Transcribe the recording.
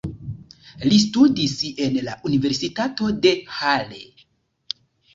Li studis en la Universitato de Halle.